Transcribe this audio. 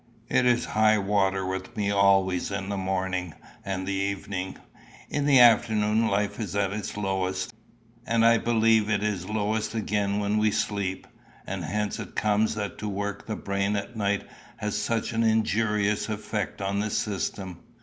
It is high water with me always in the morning and the evening; in the afternoon life is at its lowest; and I believe it is lowest again while we sleep, and hence it comes that to work the brain at night has such an injurious effect on the system.